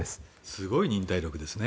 すごい忍耐力ですね。